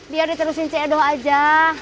biar diterusin c edo aja